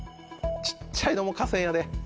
小っちゃいのも河川やで。